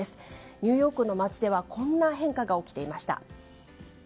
ニューヨークの街ではこんな変化が起きていました。